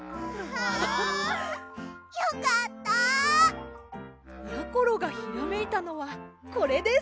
よかった！やころがひらめいたのはこれです！